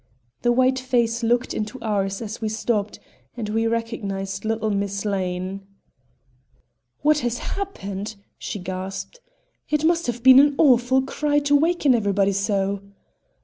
The white face looked into ours as we stopped, and we recognized little Miss Lane. "What has happened?" she gasped. "It must have been an awful cry to waken everybody so!"